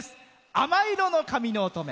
「亜麻色の髪の乙女」。